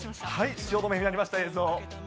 汐留になりました、映像。